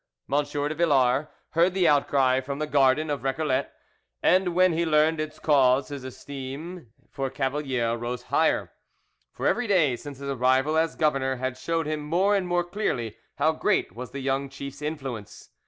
M. de Villars heard the outcry from the garden of Recollets, and when he learned its cause his esteem for Cavalier rose higher, for every day since his arrival as governor had showed him more and more clearly how great was the young chief's influence.